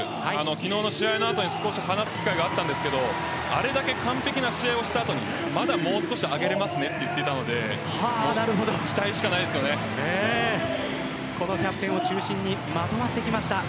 昨日の試合のあとに話す機会があったんですがあれだけ完璧な試合をした後にまだ、もう少し上げられますねと言っていたのでこのキャプテンを中心にまとまってきました。